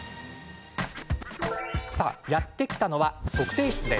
やって来たのは測定室。